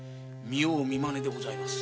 見よう見まねでございます。